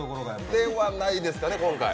ではないですね、今回。